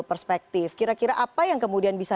perspektif kira kira apa yang kemudian bisa